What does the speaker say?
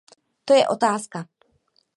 To je otázka.